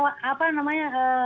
karena pak menteri kan juga